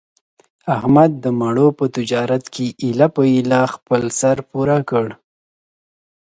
احمد د مڼو په تجارت کې ایله په ایله خپل سر پوره کړ.